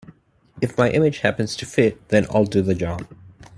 If my image happens to fit, then I do the job.